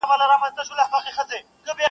لکه زرکه چي پر لاره سي روانه -